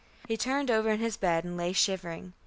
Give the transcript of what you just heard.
He turned over in his bed and lay shivering.